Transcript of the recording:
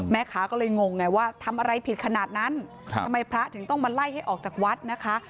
แม่ค้าก็เลยงงไงว่าทำอะไรผิดขนาดนั้นทำไมพระถึงต้องมาไล่ให้ออกจากวัดนะคะ